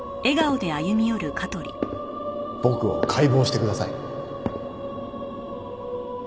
僕を解剖してください。